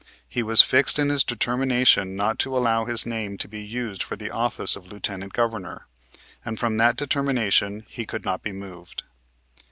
He was fixed in his determination not to allow his name to be used for the office of Lieutenant Governor, and from that determination he could not be moved.